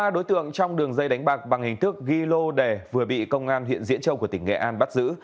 một mươi ba đối tượng trong đường dây đánh bạc bằng hình thức ghi lô đẻ vừa bị công an huyện diễn châu của tỉnh nghệ an bắt giữ